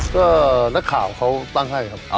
ก็นักข่าวเขาตั้งให้ครับ